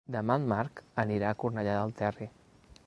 Demà en Marc anirà a Cornellà del Terri.